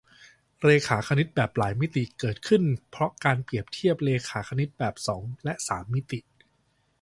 เรขาคณิตแบบหลายมิติ เกิดขึ้นเพราะการเปรียบเทียบเรขาคณิตแบบสองและสามมิติ